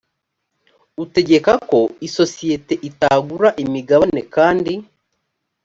utegeka ko isosiyete itagura imigabane kandi